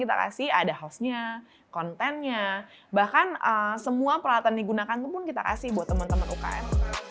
tapi tidak hanya studionya saja yang diberi ada hostnya kontennya bahkan semua peralatan yang digunakan kita beri ke teman teman ukm